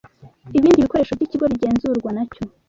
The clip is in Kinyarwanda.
ibindi bikoresho by'ikigo bigenzurwa na cyo